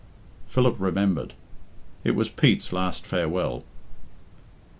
Philip remembered it was Pete's last farewell.